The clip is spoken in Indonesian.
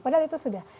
padahal itu sudah